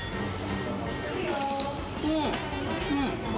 うん、うん。